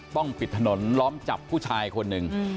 ปิดถนนล้อมจับผู้ชายคนหนึ่ง